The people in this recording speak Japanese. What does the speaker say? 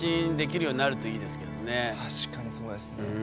確かにそうですね。